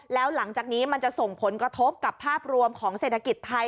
แล้วหลังจากนี้มันจะส่งผลกระทบกับภาพรวมของเศรษฐกิจไทย